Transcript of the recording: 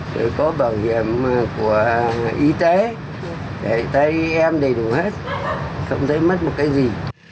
rồi có bảo hiểm của y tế để tay em đầy đủ hết không thấy mất một cái gì